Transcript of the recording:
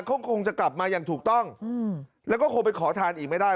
เขาคงจะกลับมาอย่างถูกต้องแล้วก็คงไปขอทานอีกไม่ได้